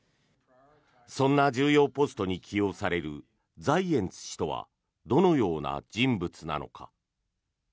そんな重要ポストに起用されるザイエンツ氏とはどのような人物なのか。